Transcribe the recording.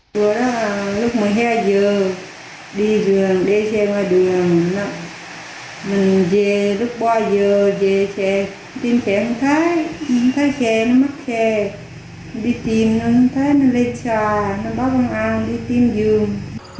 tìm kẻ không thấy không thấy kẻ nó mất kẻ đi tìm nó không thấy nó lây trà nó bắt công an đi tìm dường